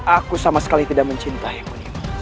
aku sama sekali tidak mencintai